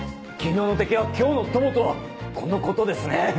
「昨日の敵は今日の友」とはこのことですね！